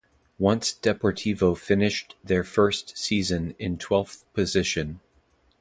Once Deportivo finished their first season in twelfth position.